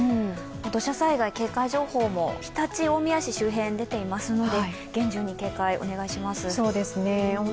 土砂災害警戒情報も常陸大宮市周辺に出ていますので厳重に警戒お願いします。